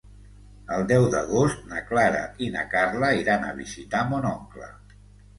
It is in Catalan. El deu d'agost na Clara i na Carla iran a visitar mon oncle.